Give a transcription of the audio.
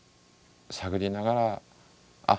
探りながらあっ